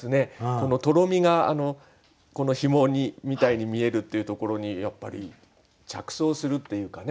このとろみが紐みたいに見えるというところに着想するっていうかね